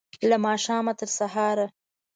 له ماښامه، تر سهاره